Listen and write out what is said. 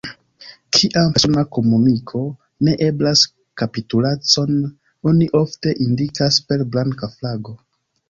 Kiam persona komuniko ne eblas, kapitulacon oni ofte indikas per blanka flago.